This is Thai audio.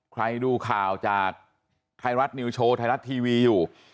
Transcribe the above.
ใครดูข่าวจากไทยรัฐนิวโชว์ไทยรัฐทีวีอยู่